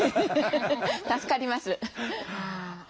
助かります。